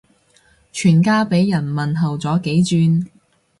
全家俾人問候咗幾轉